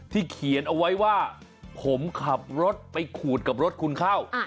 เขียนเอาไว้ว่าผมขับรถไปขูดกับรถคุณเข้า